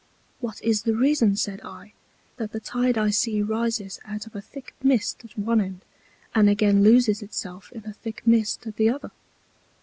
What is the Reason, said I, that the Tide I see rises out of a thick Mist at one End, and again loses itself in a thick Mist at the other?